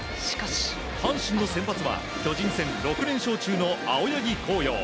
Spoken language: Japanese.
阪神の先発は巨人戦６連勝中の青柳晃洋。